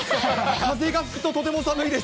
風が吹くととても寒いです。